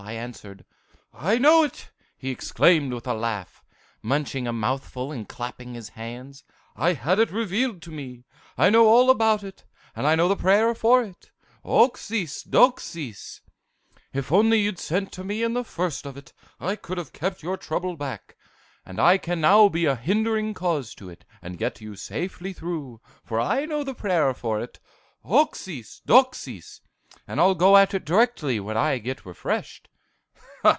I answered. "'I know it!' he exclaimed, with a laugh, munching a mouthful and clapping his hands. 'I had it revealed to me! I know all about it; and I know the prayer for it. Oxis Doxis! +++ If you'd only sent to me in the first of it, I could have kept your trouble back, and I can now be a hindering cause to it, and get you safely through, for I know the prayer for it; Oxis Doxis! + and I'll go at it directly when I get refreshed.